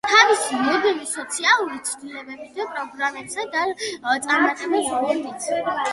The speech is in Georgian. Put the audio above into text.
თავისი მუდმივი სოციალური ცვლილებებით, პროგრესსა და წარმატებაზე ორიენტაციით.